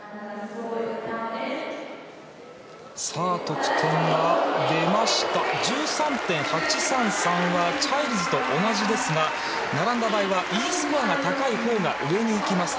得点、１３．８３３はチャイルズと同じですが並んだ場合はＥスコアが高いほうが上に行きます。